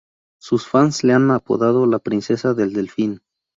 Sus fans la han apodado "La princesa del delfín".